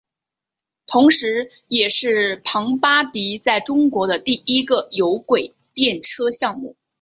同时也是庞巴迪在中国的第一个有轨电车项目。